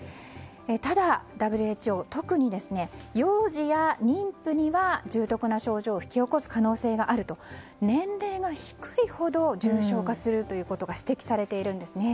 ただ、ＷＨＯは特に幼児や妊婦には重篤な症状を引き起こす可能性があると年齢の低いほど重症化することが指摘されているんですね。